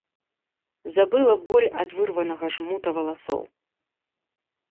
Забыла боль ад вырванага жмута валасоў.